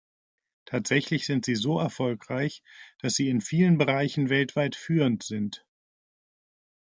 Tatsächlich sind sie so erfolgreich, dass sie in vielen Bereichen weltweit führend sind.